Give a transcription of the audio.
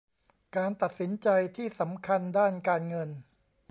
การตัดสินใจที่สำคัญด้านการเงิน